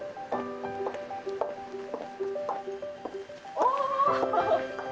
お！